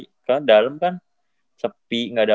karena dalem kan sepi nggak ada